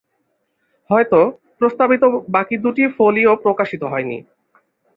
হয়ত, প্রস্তাবিত বাকি দুটি ফোলিয়ো প্রকাশিত হয় নি।